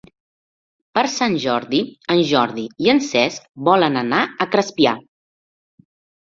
Per Sant Jordi en Jordi i en Cesc volen anar a Crespià.